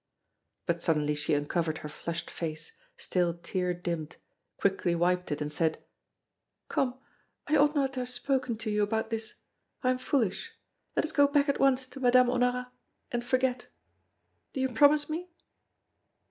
But suddenly she uncovered her flushed face, still tear dimmed, quickly wiped it, and said: "Come, I ought not to have spoken to you about this. I am foolish. Let us go back at once to Madame Honorat, and forget. Do you promise me?"